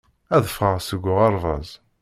Ad ffɣeɣ seg uɣerbaz